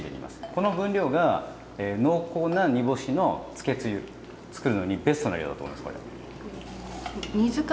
この分量が濃厚な煮干しのつけつゆつくるのにベストな量だと思いますこれ。